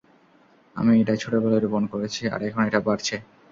আমি এটা ছোটবেলায় রোপণ করেছি, আর এখন এটা বাড়ছে।